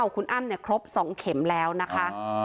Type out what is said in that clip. คุณอ้ำครบ๒เข็มแล้วนะคะ